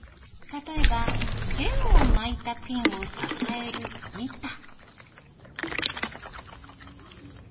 例えば弦を巻いたピンを支える板。